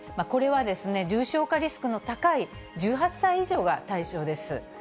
これは重症化リスクの高い１８歳以上が対象です。